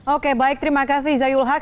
oke baik terima kasih zayul haq